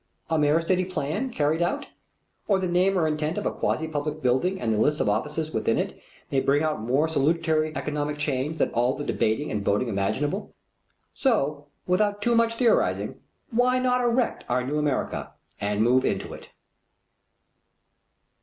A mere city plan, carried out, or the name or intent of a quasi public building and the list of offices within it may bring about more salutary economic change than all the debating and voting imaginable. So without too much theorizing, why not erect our new America and move into it?